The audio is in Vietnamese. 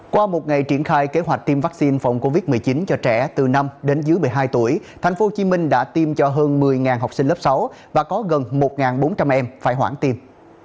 qua một ngày triển khai kế hoạch tiêm vaccine phòng covid một mươi chín cho trẻ từ năm đến dưới một mươi hai tuổi tp hcm đã tiêm cho hơn một mươi học sinh lớp sáu và có gần một bốn trăm linh em phải hoãn tiêm